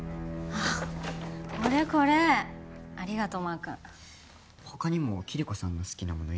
ああこれこれありがとうマー君他にもキリコさんの好きなもの